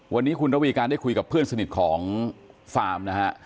วันนี้คุณระวีการได้คุยกับเพื่อนสนิทของฟาร์มนะฮะ